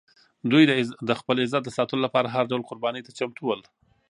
دوی د خپل عزت د ساتلو لپاره هر ډول قربانۍ ته چمتو ول.